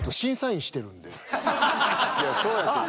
いやそうやけど。